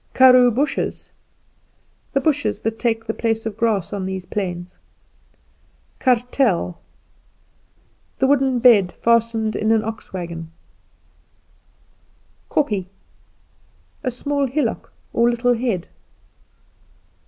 Karoo bushes The bushes that take the place of grass on these plains. Kartel The wooden bed fastened in an ox wagon. Kloof A ravine. Kopje A small hillock, or "little head."